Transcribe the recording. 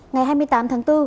ngày hai mươi tám tháng bốn